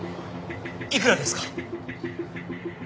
いくらですか？